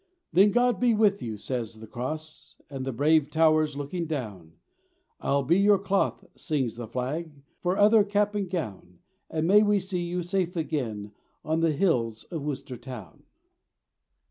Then God be with you, says the Cross, And the brave towers looking down; I'll be your cloth, sings out the Flag, For other cap and gown, And may we see you safe again, On the hills of Worcester Town.